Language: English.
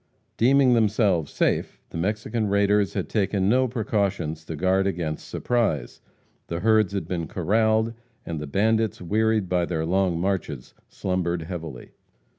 Deeming themselves safe, the Mexican raiders had taken no precautions to guard against surprise. The herds had been corraled, and the bandits, wearied by their long marches, slumbered heavily.